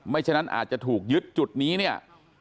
ฉะนั้นอาจจะถูกยึดจุดนี้เนี่ย